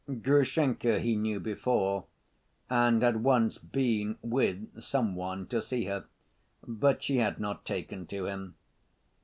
Grushenka he knew before, and had once been with some one to see her; but she had not taken to him.